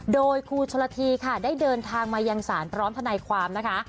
โดยครูชนละทีค่ะได้เดินทางมายังศาลพร้อมทนายความนะคะ